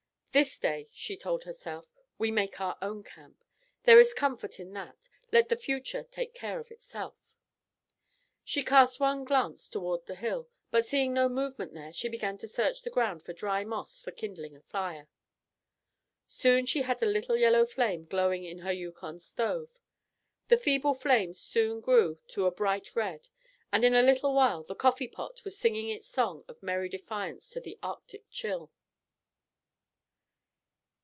"This day," she told herself, "we make our own camp. There is comfort in that. Let the future take care of itself." She cast one glance toward the hill, but seeing no movement there, she began to search the ground for dry moss for kindling a fire. Soon she had a little yellow flame glowing in her Yukon stove. The feeble flame soon grew to a bright red, and in a little while the coffee pot was singing its song of merry defiance to the Arctic chill.